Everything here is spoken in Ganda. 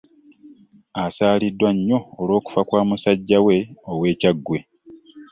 Asaaliddwa nnyo olw'okufa kwa musajja we ow'e Kyaggwe.